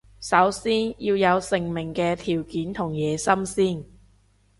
首先要有成名嘅條件同野心先